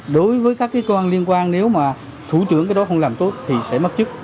đối với các cơ quan liên quan nếu mà thủ trưởng cái đó không làm tốt thì sẽ mất chức